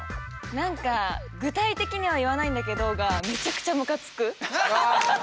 何か「具体的には言わないんだけど」がめちゃくちゃむかつく。